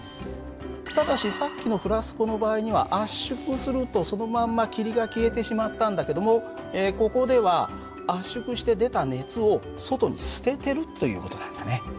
ただしさっきのフラスコの場合には圧縮するとそのまんま霧が消えてしまったんだけどもここでは圧縮して出た熱を外に捨ててるという事なんだね。